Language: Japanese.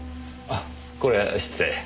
あっこれは失礼。